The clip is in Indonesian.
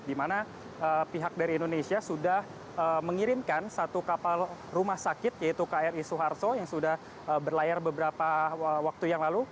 di mana pihak dari indonesia sudah mengirimkan satu kapal rumah sakit yaitu kri suharto yang sudah berlayar beberapa waktu yang lalu